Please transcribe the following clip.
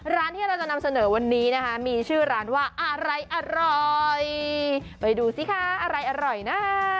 ร้านที่เราจะนำเสนอวันนี้นะคะมีชื่อร้านว่าอะไรอร่อยไปดูสิคะอะไรอร่อยนะ